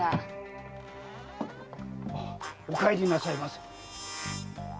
〔お帰りなさいませ〕